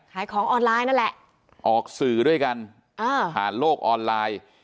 ขายของออนไลน์นั่นแหละออกสื่อด้วยกันอ่าผ่านโลกออนไลน์